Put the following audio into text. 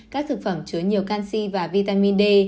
các thực phẩm chứa nhiều canxi và vitamin d